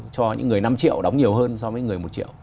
cho những người năm triệu đóng nhiều hơn so với người một triệu